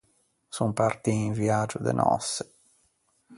Son partii in viægio de nòsse.